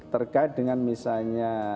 terkait dengan misalnya